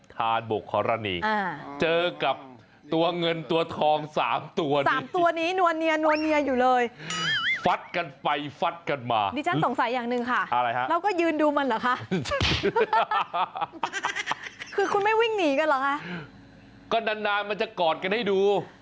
คือคุณไม่วิ่งหนีกันเหรอคะก็นานนานมันจะกอดกันให้ดู